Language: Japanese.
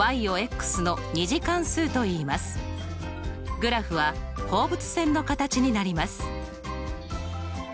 グラフは放物線の形になります。